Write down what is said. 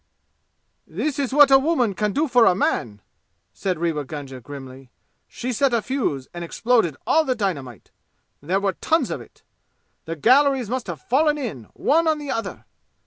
"That is what a woman can do for a man!" said Rewa Gunga grimly. "She set a fuse and exploded all the dynamite. There were tons of it! The galleries must have fallen in, one on the other!